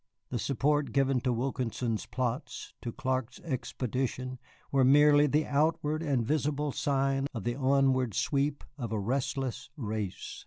The support given to Wilkinson's plots, to Clark's expedition, was merely the outward and visible sign of the onward sweep of a resistless race.